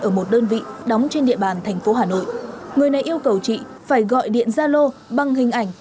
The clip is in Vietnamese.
ở một đơn vị đóng trên địa bàn thành phố hà nội người này yêu cầu chị phải gọi điện gia lô bằng hình ảnh